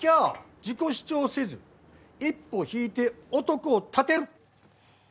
自己主張せず一歩引いて男を立てる。